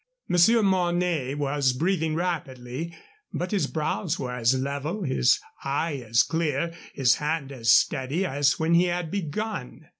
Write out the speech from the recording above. Monsieur Mornay was breathing rapidly, but his brows were as level, his eye as clear, his hand as steady as when he had begun.